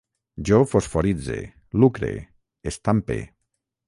Jo fosforitze, lucre, estampe